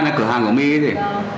ra nè cửa hàng của my ấy gì